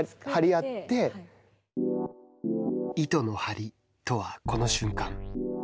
糸の張りとは、この瞬間。